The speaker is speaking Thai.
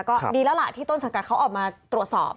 ก็ดีแล้วล่ะที่ต้นสังกัดเขาออกมาตรวจสอบ